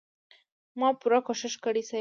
ما پوره کوشش کړی صيب.